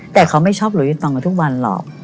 แต่เขาไม่ชอบหลุยต่อมาทุกวันหรอก